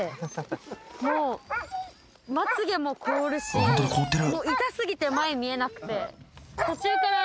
［あっホントだ凍ってる］